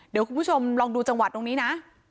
เดี๋ยวคุณผู้ชมลองดูจังหวัดตรงนี้นะ